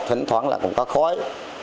thỉnh thoảng là cũng có khói